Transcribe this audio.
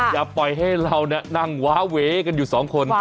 อย่าปล่อยให้เรานั่งว้าเวกันอยู่สองคน